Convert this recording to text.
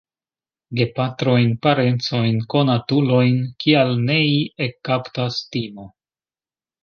Gepatrojn, parencojn, konatulojn, kial nei ekkaptas timo.